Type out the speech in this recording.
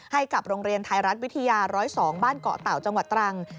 ให้กับโรงเรียนไทยรัฐวิทยา๑๐๒บ้านเกาะเต่าจังหวัดตรัง